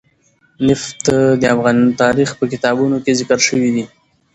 نفت د افغان تاریخ په کتابونو کې ذکر شوی دي.